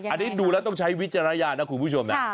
อันนี้ดูแล้วต้องใช้วิจารณญาณนะคุณผู้ชมนะ